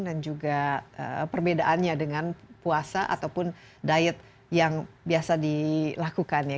juga perbedaannya dengan puasa ataupun diet yang biasa dilakukan ya